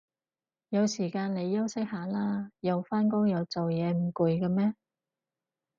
有時間你休息下啦，又返工又做嘢唔攰嘅咩